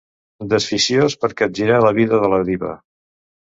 Desficiós per capgirar la vida de la diva.